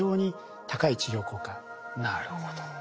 なるほど。